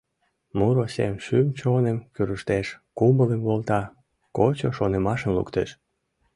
Муро сем шӱм-чоным кӱрыштеш, кумылым волта, кочо шонымашым луктеш.